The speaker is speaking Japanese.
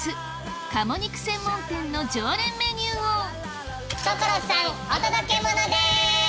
鴨肉専門店の常連メニューを所さんお届けモノです！